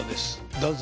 どうぞ。